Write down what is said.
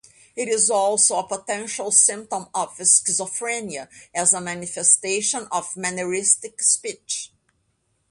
It is also a potential symptom of schizophrenia, as a manifestation of manneristic speech.